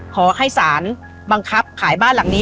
ขอให้สารบังคับขายบ้านหลังนี้